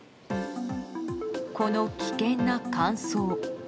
この危険な乾燥。